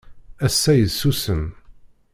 Ass-a yessusem.